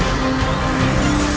kau tidak bisa menang